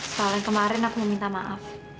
soal yang kemarin aku mau minta maaf